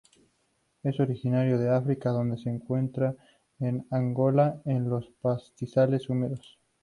Es originario de África donde se encuentra en Angola en los pastizales húmedos.